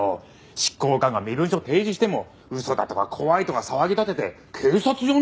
執行官が身分証を提示しても「嘘だ」とか「怖い」とか騒ぎ立てて警察呼んだりするからね。